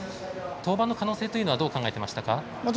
登板の可能性というのはどう考えていましたか？